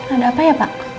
ada apa ya pak